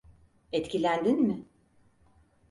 Etkilendin mi?